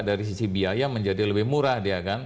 dari sisi biaya menjadi lebih murah